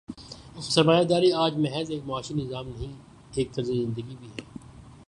سرمایہ داری آج محض ایک معاشی نظام نہیں، ایک طرز زندگی بھی ہے۔